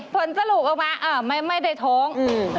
ผลสรุปออกมาไม่ได้ท้อง